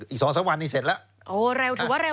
อีก๒๓วันนี่เสร็จแล้ว